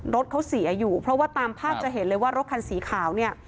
รถเขาเสียอยู่เพราะว่าตามภาพจะเห็นเลยว่ารถคันสีขาวเนี่ย